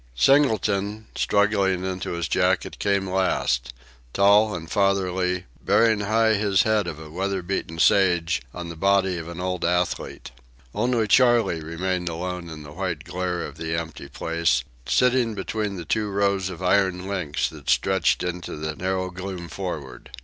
Singleton, struggling into his jacket, came last, tall and fatherly, bearing high his head of a weather beaten sage on the body of an old athlete. Only Charley remained alone in the white glare of the empty place, sitting between the two rows of iron links that stretched into the narrow gloom forward.